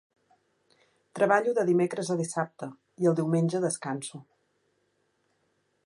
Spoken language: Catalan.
Treballo de dimecres a dissabte, i el diumenge descanso.